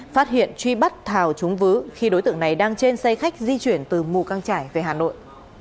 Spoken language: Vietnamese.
phát hiện truy bắt thảo chúng vứ khi đối tượng này đang trên xe khách di chuyển từ mù căng trải về hà nội